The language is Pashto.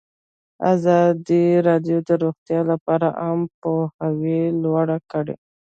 ازادي راډیو د روغتیا لپاره عامه پوهاوي لوړ کړی.